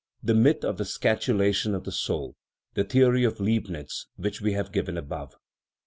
The myth of the scatulation of the soul (the the ory of Leibnitz which we have given above).